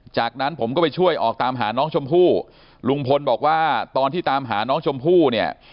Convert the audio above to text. จากนั้นผมก็ไปช่วยออกตามหาน้องชมพู่ลุงพลบอกว่าตอนที่ตามหาน้องชมพู่เนี่ย